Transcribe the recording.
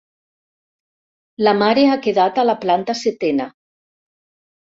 La mare ha quedat a la planta setena.